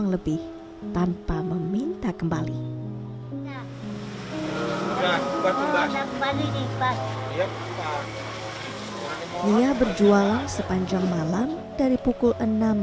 sebenarnya di sini lumayan warm di dalam malam